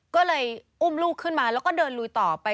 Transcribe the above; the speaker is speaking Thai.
ก็เลยอุ้มลูกขึ้นมาแล้วก็เดินลุยต่อไป